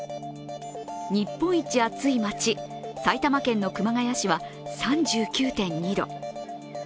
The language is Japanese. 日本一暑い街、埼玉県の熊谷市は３９．２度。